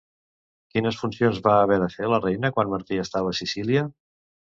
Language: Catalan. Quines funcions va haver de fer la reina quan Martí estava a Sicília?